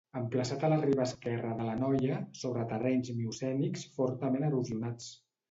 Emplaçat a la riba esquerra de l'Anoia, sobre terrenys miocènics fortament erosionats.